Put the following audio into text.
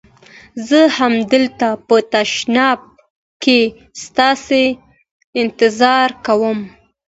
زه همدلته په تشناب کې ستاسي انتظار کوم.